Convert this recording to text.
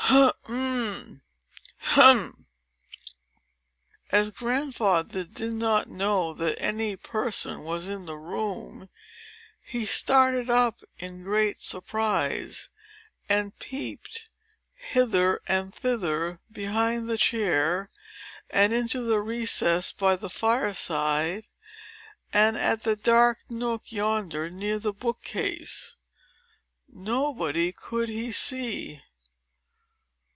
"H e m! Hem!" As Grandfather did not know that any person was in the room, he started up in great surprise, and peeped hither and thither, behind the chair, and into the recess by the fireside, and at the dark nook yonder, near the bookcase. Nobody could he see.